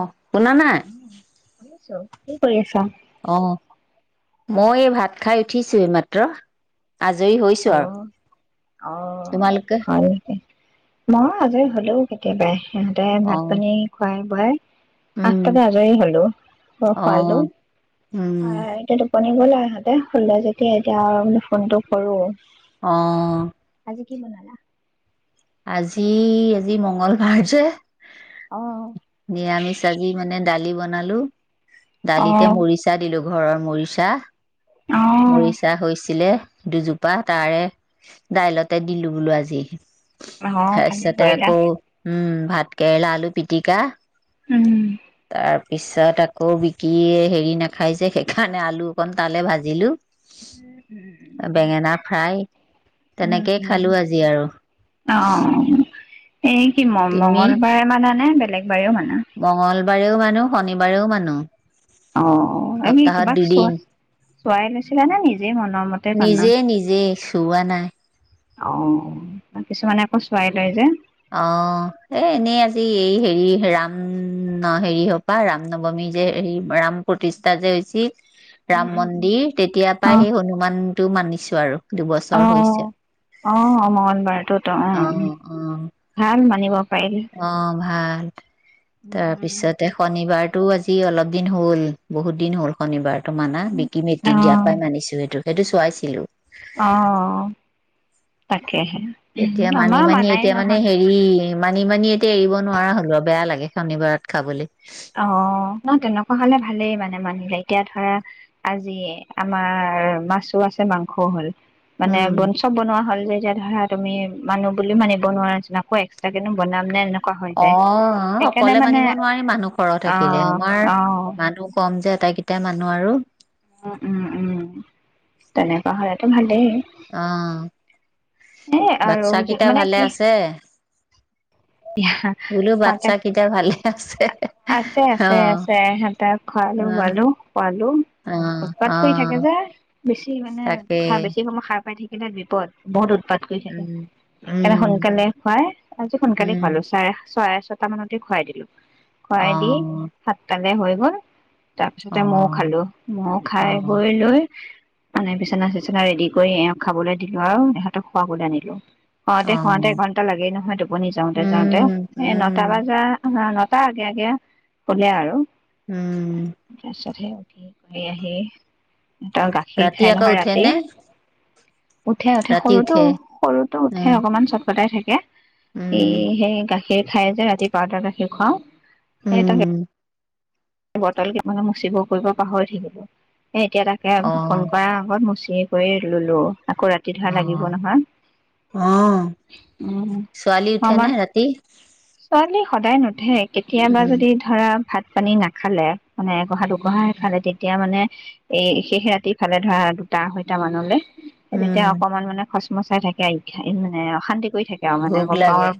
অ শুনা নাই অ শুনিছো। কি কৰি আছা অ মই এই ভাত খাই উঠিছোৱে এই মাত্ৰ আজৰি হৈছো আৰু অ', অ তোমালোকে হয় নেকে মই আজৰি হলোও কেতিয়াবাই সিহঁতে ভাত উম পানী খুৱায় বাই আঠটাতে আজৰি হলো অ খোৱালো উম এ শনিবলৈ আহঁতে হ যেতিয়া এতিয়া আৰু ফোনটো কৰো আহ জ কি বনালা আজি আজি মঙ্গলবাৰ যে অ', নিৰামিষ চাজি মানে দালি বন জনালো দালিতে অ', মৰিচা দিলো ঘৰৰ মৰিচা অ', মৰিচা হৈছিলে দুজোপা তাৰে দাইলতে দিলো বোলো আজি অ', ভালে তাৰপিছতে কৰিলা আকৌ উম ভাত কেৰেলা আলু পিটিকা উম তাৰ পিছত আকৌ বিকি হেৰি নাখাই যে সেইকাৰণে আলু অকণ তালে ভাজিলো বেঙেনা ফ্ৰাই তেনেকেই খালো আজি আৰু অঁ এই কি ম- মঙলবাৰে মানানে মঙ্গলবাৰেও মানো শনিবাৰেও মানো। অ', এই সপ্তাহত কিবাক চোৱা দুদিন চোৱাই লৈছিলা নে, নিজেই মনৰ মতে [unintelligible] নিজে নিজে চোৱা নাই অ', কিছুমানে আকৌ চোৱাই লয় যে! অ', ‌ এ এনেই আজি এই হেৰি, ৰাম ন হেৰি হোৱাপা, ৰাম নৱমী যে হে ৰাম প্ৰতিষ্ঠা যে হৈছিল উম ৰাম উম মন্দিৰ, তেতিয়াৰ পৰা সেই হনুমান টো মানিছো আৰু। দুবছৰ আহ হৈছে আহ মঙ্ঙলবাৰেটোত অ ভাল মানিব পাৰিলে অ' ভাল। উম তাৰপিছতে শনিবাৰ তটো আজি অলপ দিন হ'ল বহুত দিন হ'ল শনিবাৰ উম অ [unintelligible] দিয়া পাই মানিছো সেইটো সেইটো চোৱাইছিলো অ ত তেতিয়া মানি মানি এতিয়া মানে নহয় হেৰি, মানি মানি এতিয়া এৰিব নোৱাৰা হলোঁ আৰু, বেয়া লাগে। শনিবাৰত খাবলৈ অ ন তেনেকুৱা হলে ভালেই মানে মানিলে এতিয়া ধৰা আজি আমাৰ মাছো আছে মাংসও হ'ল মানে উম বন চব বনোৱা হ'ল যে এতিয়া ধৰা তুমি মানুহ বুলি মানিব নোৱাৰা নিচিনা। আকৌ এক্সট্ৰা কেনো বনাম নে হৈ অ, যায় সেইকাৰণে অকলে মানে মানিব নোৱাৰি মানুহ সৰহ থাকিলে অ', আমাৰ অ', মানুহ কম যে কটাই কেইটাই মানুহ আৰু উম, উম, উম, তেনেকুৱা হলেতটো ভাল দেই অ স আৰু বাচ্ছা কেইটা মানে ভালে কি আছে বোলো বাচ্ছা কন্টেক কেইটা ভালে আছে আছে অ আছে আছে সহতে অ খোৱালো, বোৱালো, সুৱালো অ অ উৎপাত কৰি থাকে যে বেছি মানে তাকে বেছি সময় সাৰ পাই থাকি [unintelligible] বিপদ বহুত উৎপাত কৰি থাকে উম সেইকাৰণে উম সোনকালে খুৱাই আজি সোনকালে খোৱালো চাৰে চাৰে ছটা মানতে খুৱাই দিলো। খুৱাই দি সাতটা ভে হৈ গ'ল তাৰ পিছতে মইও খালো। মই খাই হৈ লৈ মানে বিচনা চিচনা ৰেডি কৰি এও খাবলৈ দিলো আৰু ইহঁতক শোৱাবলৈ আনিলো শুৱাওতে, শুৱাওতে একঘন্টা লাগেই নহয় টোপনি যাওঁতেও যাওঁতেও এ নটা বজা তাত [unintelligible] কলে আৰু উম তাৰপিছতহে কৰি আহি তাই গাখীৰ ৰাতি খাই আকৌ নহয় উঠে ৰাতি নে? উঠে উঠে সৰুটো, সৰুটো উঠে অ', অকমান চটকটাই থাকে এ উম, সে কা সেই খাই যে ৰাতি পাউদাৰ গাখীৰ খুৱাওঁ সেইটাক উম, বটল কেইমানে মচিব কৰিব পাহৰি থাকিব এতিয়া তাকে ফোন অ', কৰাৰ আগত ম কি কৰি লোলো আকৌ ৰাতি ধৰা লাগিব অ', নহয় অ', ছোৱালী উঠে উ নে ৰাতি? ছোৱালী সদায় নুধে কেতিয়াবা উম, যদি ধৰা ভাত পানী না খালে মানে গোহাটো গোহা এফালেদি এতিয়া মানে এই শেষ ৰাতিৰ ফালে ধৰা দুটা আঢ়ৈটা মানলৈ তেতিয়া উম, অকনমান মানে খচ মচাই থাকে মানে অশান্তি থাকে আৰু মানে ভোক গম পাওঁ লাগে। আৰু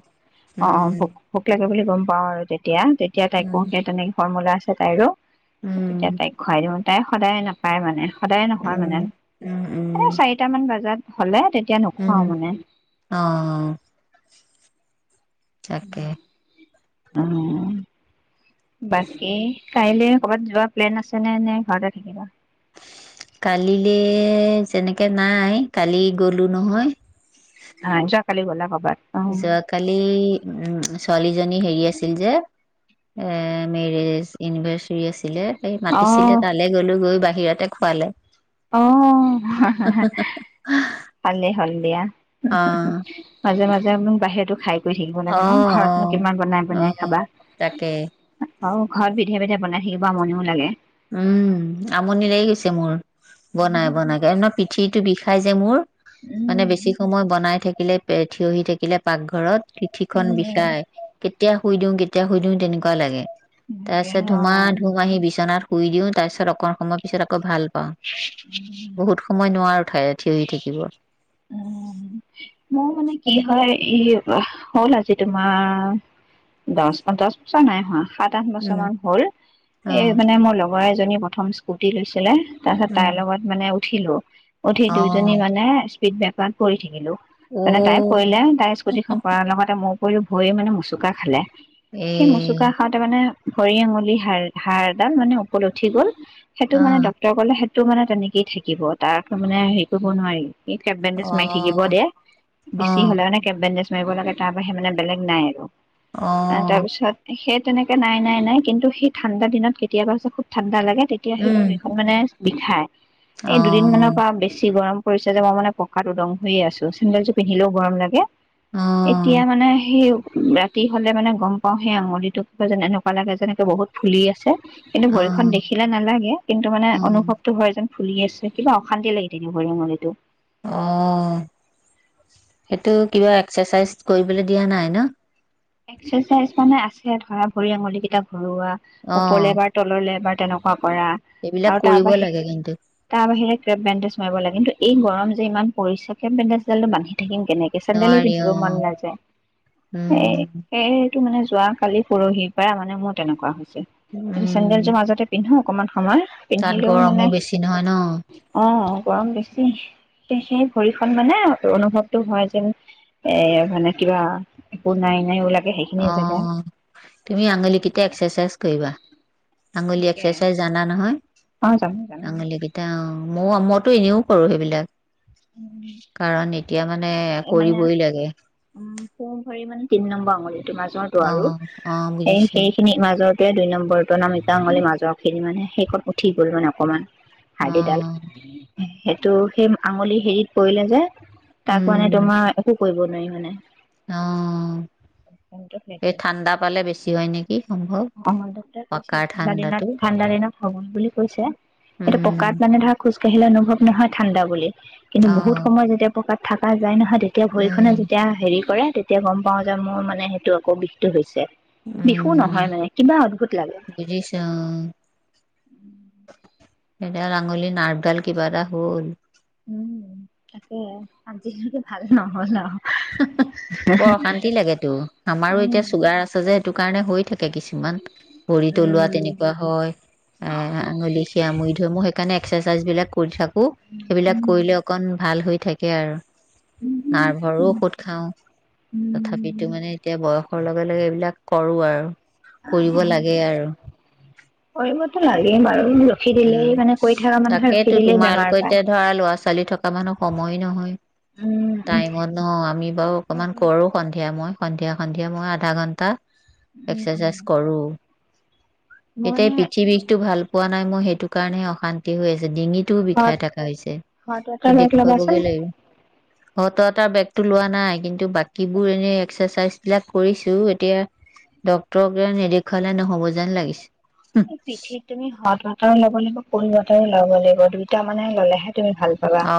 অ অ উম, ভোক বুলি গম পাওঁ আৰু তেতিয়া তেতিয়া তেতিয়া তাই কো উম, সে তেনেকে ফৰ্মুলাছ তাইৰো তেতিয়া উম, তাই খুৱাই দিও। তাই সদায় নাপায় মানে সদায় নহয় মানে, উম, উম, এনে উম, চাৰিটামান বজাত হ'লে তে এতিয়া নোখুৱাওঁ উম, মানে অ', তাকে। বাকী কাইলৈ কৰ'বাত যোৱা প্লেন আছে নে নে ঘৰতে থাকিবা কালিলে যেনেকে নাই কালি গলো নহয় হয় যোৱাকালি গ'লা কবাত যোৱাকালি উ ছোৱালীজনী হেৰি আছিল যে এ মেৰেজ এনিভাৰ্চাৰী আছিলে অ মাতিছিলে তালৈ গ'লো গৈ ব ইয়াতেত খোৱালে অ ভালেই হ'ল দিয়া অ মাজে মাজে বাহিৰতো খাই থাকিব অ লাগে ন অ ঘৰতনো কিমান বনাই অ বনাই খাবা তাকে অ ঘৰত বিধে বিধে বনাই থাকিব আমনিও লাগে উম আমনি লাগি গৈছে মোৰ বনাই বনাই পিঠি পিঠিটো বিষাই যে মোৰ মানে উম বেছি সময় বনাই থাকে থাকিলে থিয়হি থাকিলে পাক ঘৰত পিঠি খন উম বিষায় কেতিয়া শুই দিওঁ কেতিয়া শুই দিওঁ তেনেকুৱা লাগে তাকে তাৰপিছত অ ধুমা ধুম আহি বিচনাত শুই দিওঁ তাৰপিছত অকণ সময় পিছত আকৌ ভাল পাওঁ। বহুত সময় নোৱাৰো ঠাই থিয় হৈ থাকিব উম মোৰ মানে কি হয় ই হ'ল আজি তোমাৰ দহ পঞ্চাশ বছৰ নাই হোৱা সাত আঠ বছৰ উম, মান হল এ মানে মোৰ লগ ব এী প্ৰথম কুটি লৈছিলে তাৰপিছত তাই উম। লগত মানে উঠিলোঁ উঠি অ', দুজনী মানে বেপাৰ কৰি থাকিলো ঔ মানে তাই পৰিলে তাই স্কুটি খন পঢাৰ লগতে মোৰ কৰিৰি ভয়ে মানে মোচুোককা খালে এ সেই মচুকা খাওঁতে মানে ভৰি আঙুলি হা়ড় হাড় এডাল মানে ওপৰলৈ উঠি গল সেইটো আ মানে ডক্টৰে কলে সেইটো টো মানে তেনেকেই থাকিব তাৰ মানে হেৰি কৰিব নোৱাৰিম স কেপ বেণ্ডেজ মাৰি থাকিব অ', দে বেছি অ', হ'লে মানে কেপ বেণ্ডেজ মাৰিব লাগে তাৰ বাহি মানে বেলেগ নাই আৰু অ', তাৰপিছত সেই তেনেকে নাই নাই নাই কিন্তু সেই ঠাণ্ডা দিনত কেতিয়াবা হৈছে খুব ঠাণ্ডা লাগে তেতিয়া সেই উম, ভৰিখন মানে বিষাই। এই দুদিনমানানৰ অ', পৰা বেছি গৰম কৰিছে যে মই মানে পকাত উদং হৈয়ে আছো চেন্দেলটো পিন্ধিলেও গৰম লাগে। অ', এতিয়া মানে সেই ৰাতি হ'লে মানে গম পাও সেই আঙুলিটো কিবা যেন এনেকুৱা লাগে যেনেকে বহুত ফুলি আছে কিন্তু ভৰিখন অ', দেখিলে নাই কিন্তু মানে উম, অনুভৱটো হৈ যায় ফুলি আছে কিবা অশান্তি লাগি তেনে ভৰিঙলটো আঁহ। সেইটো উম কিবা এক্সাৰচাইজ কৰিবলৈ দিয়া নাই ন। এক্সাৰচাইজ মানে আছে ধৰা ভৰি আঙুল কেইটা ঘৰুৱা অ', ওপৰলে বাাৰ তললে এবাৰ তেনেকুৱা কৰা এইবিলাক আৰু তাৰ কৰিব বাহিৰে লাগে কিন্তু তাৰ বাহিৰে ক্ৰেপ বেণ্ডেজ মাৰিব লাগে। কিন্তু এই গৰম যে ইমান পৰিচয়কে বেডেজডালটো বান্ধি থাকিম কেনেকে চানডালী নোৱাৰি পিন্ধিব মন অ', নাযায় এ উম, এইটো মানে যোৱা কালি পৰহিৰ পৰাাৰ মানে মোৰ তেনেকুৱা হৈছে। চেণ্ডেল উম, যোৰ মাজতে পিন্ধো অকমান আমাৰ তাত পিন্ধিলেও গৰমো মানাই বেছি নহয় ন? অ'। গৰম বেছি সেই ভৰিখন মানে অনুভৱতটো হয় যেন এ মানে কিবা একো নাই। [unintelligible] জেগা অ', তুমি আঙুলিকেইটা এক্সাৰচাইজ কৰিবা। আঙুলি তাকে এক্সাৰচাইজ জনা নহয় অ জানো জানো আঙুলি কেইটা অ'। মই মইতো এনেও কৰো সেইবিলাক। কাৰণ এতিয়া মানে এই মানে কৰিবই লাগে। কিন্ম মূল মাজৰটো আৰু অ' অ' সেই বুজিছে সেইখিনিৰ মাজৰটোৱে দুই নম্ব [unintelligible] আঙলিৰ মাজৰখিনি মানে সেইকণ উঠি গ'ল মানে অকণমান। হাৰ্দিডাল অ' সেইটো সেই আঙুলি হেৰিত পৰিলে যে। তাক মানে উম তোমাৰ কৰিব নোৱাৰি মানে। অ', এই ঠাণ্ডা পালে বেছি হয় নেক অ', ডক্টৰে কৈছিলে। ঠাণ্ডা দিনত, ঠাণ্ডাটো ঠাণ্ডা দিনত হ'ব বুলি কৈছে, এইটো পকাত, উম মানে, ধৰা, খোজ কাঢ়িলে অনুভৱ নহয়, ঠাণ্ডা বুলি কিন্তু বহুত অ' সময় যেতিয়া পকাত থাকা যায় নহয়। তেতিয়া উম ভৰিখনে যেতিয়া হেৰি কৰে তেতিয়া গম পাওঁ যে মোৰ, মানে, সেইটো আকৌ বিষটো হৈছে। বিহু উম। নহয় মানে কিবা অদ্ভুত লাগে। বুজিছোঁ। অ' এডাল আঙুলিৰ নাৰ্ভডাল কিবা এটা হ'ল উম তাকে। আজিলৈকে ভাল নহ'ল আৰু বৰ অশান্তি লাগেতো। আমাৰো এতিয়া উম। চুগাৰ আছে যে সেইটো কাৰণে হৈ থাক কে, কিছুমান ভৰিতলুৱা উম। তেনেকুৱা হয়। এ, আঙুলি, সিৰা মুৰি ধৰে মোৰ। সেইকাৰণে এক্সাৰচাইজবিলাক কৰি থাক কো, সেইবিলাক উম। কৰিলে অকণ ভাল হৈ থাকে আৰু নাৰ্ভৰো উম ঔষধ খাওঁ। তথাপিতো, উম মানে, এতিয়া বয়সৰ লগে-লগে এইবিলাক কৰোঁ আৰু [inaudible] কৰিব লাগে আৰু কৰিবতো লাগেই বাৰু ৰখি দিলেই উম, মানে কৰি থকা মানুহে ৰখি তাকেইতো। দিলেই বেমাৰ তোমালোকৰ পায়। এতিয়া, ধৰা, ল'ৰা-ছোৱালী থকা মানুহ সময়ে নহয় উম টাইমত ন। আমি বাৰু অকণমান সেইটোৱে। কৰোঁ। সন্ধিয়া মই সন্ধিয়া সন্ধিয়া মই আধা ঘণ্টা উম উম এক্সাৰচাইজ কৰোঁ। মই এতিয়া এই মানে পৃথিৱীষটো ভাল পোৱা নাই নাই মই সেইটো কাৰণে অশান্তি হৈ আছ ডিঙিটোও হট বিষাই থকা হট হৈছে ৱাটাৰ বেগ ল'বাচোন। দেখুৱাবগৈ লাগ হট ৱাটাৰ বেগটো লোৱা নাই। কিন্তু বাকীবোৰ এনে এক্সাৰচাইজবিলাক কৰিছোঁ। এতিয়া ডক্টৰকে নেদেখুৱালে নহ'ব যেন লাগিছে। এই পিঠিত তুমি হ আৰু ল'ব লাগিব কহ বতাৰ লব লাগিব দুইটা মানে ললেহে তুমি ভাল পাবা অ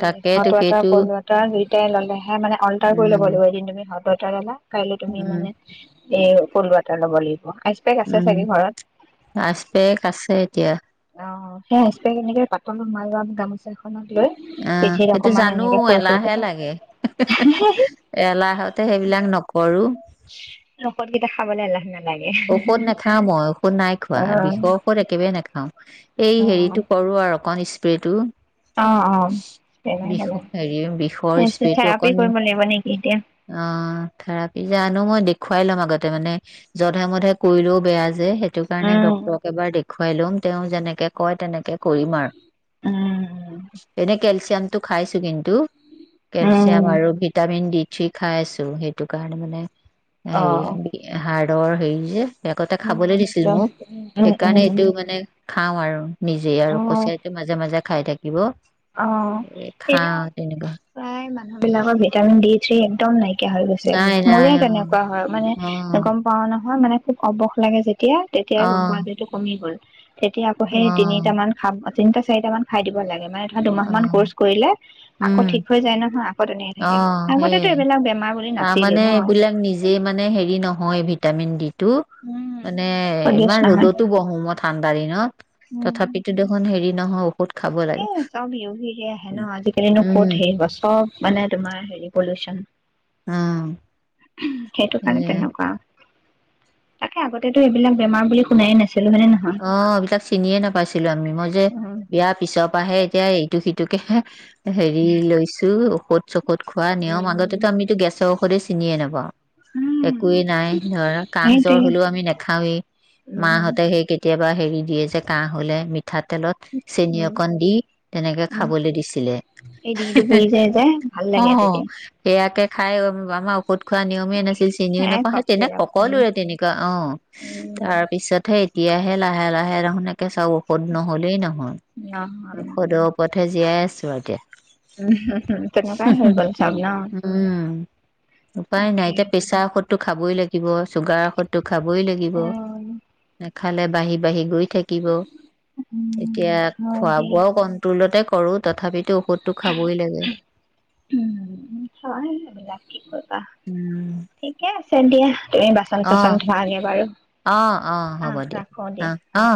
তাকেইতো হট ৱাটাৰ সেইটো কল ৱাটাৰ হে তাইে ে মে অল্াৰ কৰি ল'ব উম লাগিব এদিন তুমি [unintelligible] ল'লা কাইলৈ তুমি উম মানে এই ফুল ৱাটাৰ ল'ব লাগিব আইচ পেক আছে উম চাগে ঘৰত আছ বে আছে এতিয়া স হাসে কেনেকে পাতত মাল ম দাম আছে অ লৈ অ', পিঠিত সেইটো অকমান জানোঁ। এনেকে শুই শুই এলাহে দিবা লাগে। এলাহত সেইবিলাক নকৰোঁ নখত কেইটা খাবলৈ আহল্াহ নাই ঔষধ নাখাওঁ মই ঔষধ নাই খোৱা অ বিষৰ ঔষধ একেবেই নাখাওঁ এই হেৰিটো কৰো আৰু অকন স পেটো অ অ অ বিষ হেৰি বিষৰ স্প্ৰেটো থেৰাপি অকন কৰিব লাগিব নেকি এতিয়া অ থেৰাপি যে আানো মই দে খুৱাই ল'ম আগতে মানে যধে মধে কৰিলেও বেয়া। সেইটো কাৰণে উম ডক্তৰক এবাৰ দেখ দে খুৱাই লম তেওঁ যেনেকে কয় তেনেকে কৰিম আৰু উম এনে কেলচিয়াম টো খাইছো কিন্তু উম কেলচিয়াম আৰু ভিটামিন ডি ঠি খাই আছো সেইটো কাৰণে মানে অ সি দৰ হেৰি যে আগতে খাবলৈ উম দিছিল মোক। উম উম সেইকাৰণে, উম এইটো মানে খাওঁ আৰু নিজে অ আৰু কছাৰী টো মাজে, মাজে খাই থাকিব। অ' এ এনেও খাওঁ তেনেকুৱা তাই মা বিলাকৰ ভিটামিন ডি থ্ৰী একদম নাই। াইকিয় হৈ গৈছে নাই নাই মোৰে অ তেনেকুৱা হয় মানে গম পাও নহয় মানে অবস লাগে যেতি তেতিয়া? অ অ তেতিয়াই গম পোৱা যিটো কমি গ'ল। তেতিয়া আকৌ, অ সেই তিনিটামান খাম। তিনিটা চাৰিটা মান খাই দিব লাগে, মানে অ' দুমাহ মান কোৰ্চ কৰিলে। আকৌ, ঠিক উম হৈ যায় নহয়। আকৌ তেনেকে থাকে অ' আগতেতো সেইয়াই, এইবিলাক বেমাৰ বুলি নাছিলেই তাৰমানে ন এইবিলাক নিজেই মানে, হেৰি নহয় এই ভিত ভিটামিন ডি। তো, মানে সদৃশ ইমান নহয় ৰ'দতো বহম ঠান পাৰি ন। তথাপিতো দেখোন হেৰি নহয়, ঊষ [unintelligible] আহে ন, আজিকালিনো ক'ত উম হেৰি হ চব মানে তোমাৰ হেৰি, পলিউচন অঁ! সেইটো কাৰণে, তেনেকুৱা। তাকে, আগতেতো এইবিলাক বেমাৰ বুলি শুনাইে নাছিল অ' এইবিলাক চিনিয়ে নাপাইছিলো আমি। মই যে, উম। বিয়াৰ পিছত বাহে এতিয়া এইটো সিটোকেহে হেৰি লৈছো! কচ! কইকোশা [unintelligible] ক'ত, খোৱা নিয়ম উম। আগতেতো আমিতো গেছৰ সদতে চিনিয় আনবা উম একোৱেই নাই, ধৰা কাহ জ্বৰ সেইটোৱে। হলেও আমি নাখাওৱেই। উম। মাহঁতে সেই কেতিয়াবা হেৰি দিয়ে যে, কাঁহ হ'লে মিঠাতেলত! চেনি উম অকণ দি তেনেকে উম খাবলৈ দিছিলে, এই ডিঙিটো পুৰি যায় যে ভাল লাগে অ' তেতিয়া সেয়াকে [unintelligible] খোৱা নিয়মেই নাছিল চিনিও সেয়াই নাপাওঁ কফ সেই তেনে চিৰাপ উম। ককলোৰে তেনেকুৱা অ', তাৰ পিছতহে এতিয়াহে লাহে লাহে সুনকে চাওঁ ঔষধ নহ'লেই ন' নহয় ঔষদৰ ওপৰত হে জীয়াই আছে। সভাগে তেনেকুৱাই হৈ উম, গ'ল চব ন? উপায় নাই তাকে এতিয়া পেছা ঔধটো খাবই লাগে। থাকিব চুগাৰত খাবই লাগিব। উম খালে বাঢ়ি বাঢ়ি গৈ থাকিব উম এতিয়া হয় খোৱা দিয়া বোৱাও কন্ট্ৰলতে কৰোঁ তথাপিতো ঔষধটো খাবই লাগে উম, হয় এইবলাক কি কৰিবা, উম ঠিকে আছে দিয়া। তুমি বাচন চাচন ধোৱা নিয়ে বাৰু। অহ, অহ হ'ব দিয়া। অহ, অ।